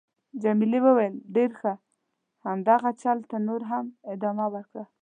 جميلې وويل:: ډېر ښه. همدغه چل ته نور هم ادامه ورکړه.